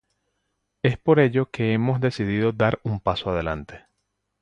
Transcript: Es por ello que hemos decidido dar un paso adelante.